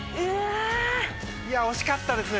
惜しかったですね